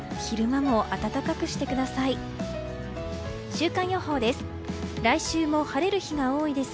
週間予報です。